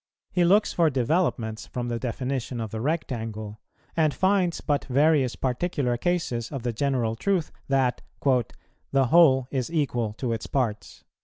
He looks for developments from the definition of the rectangle, and finds but various particular cases of the general truth, that "the whole is equal to its parts."